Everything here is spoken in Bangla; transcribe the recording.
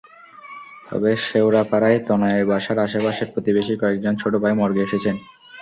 তবে শেওড়াপাড়ায় তনয়ের বাসার আশপাশের প্রতিবেশী কয়েকজন ছোট ভাই মর্গে এসেছেন।